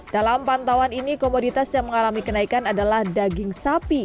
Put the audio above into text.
dalam pantauan ini komoditas yang mengalami kenaikan adalah daging sapi